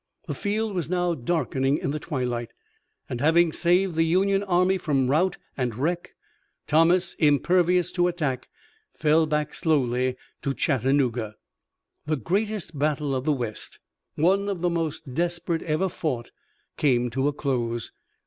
The field was now darkening in the twilight, and, having saved the Union army from rout and wreck, Thomas, impervious to attack, fell back slowly to Chattanooga. The greatest battle of the West, one of the most desperate ever fought, came to a close.